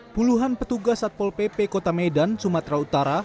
puluhan petugas satpol pp kota medan sumatera utara